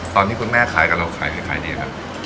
ตอนนี้คุณแม่ขายกับเราขายให้ดีนะ